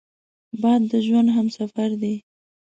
باد د ژوند همسفر دی